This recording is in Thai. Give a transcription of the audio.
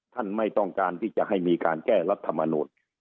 ไม่ต้องการที่จะให้มีการแก้รัฐมนูล